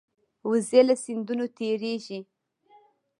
وزې له سیندونو تېرېږي